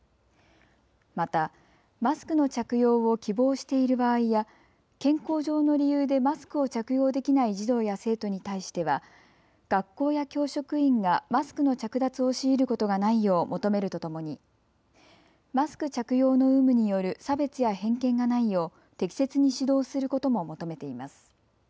またマスクの着用を希望している場合や健康上の理由でマスクを着用できない児童や生徒に対しては学校や教職員がマスクの着脱を強いることがないよう求めるとともにマスク着用の有無による差別や偏見がないよう適切に指導することも求めています。